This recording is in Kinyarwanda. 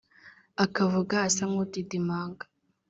akavuga asa n’udidimanga